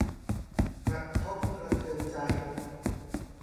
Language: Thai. กระทบกระเทือนใจ